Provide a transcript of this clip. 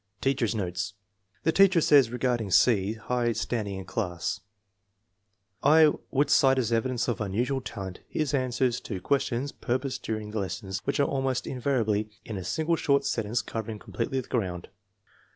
Teacher's notes. The teacher says regarding C.'s high standing in class, "I would cite as evidence of unusual talent his answers to questions proposed dur ing the lesson, which are almost invariably in a sin gle short sentence covering completely the ground."